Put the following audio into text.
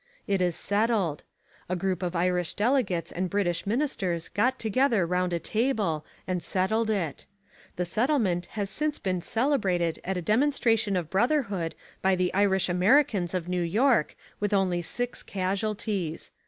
It is settled. A group of Irish delegates and British ministers got together round a table and settled it. The settlement has since been celebrated at a demonstration of brotherhood by the Irish Americans of New York with only six casualties.